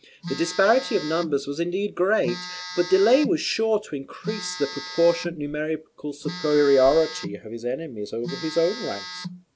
The disparity of numbers was indeed great, but delay was sure to increase the proportionate numerical superiority of his enemies over his own ranks.